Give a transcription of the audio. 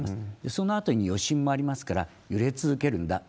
そのあとに余震もありますから、揺れ続けるんだ。